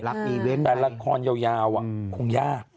แต่ละครยาวคงยาก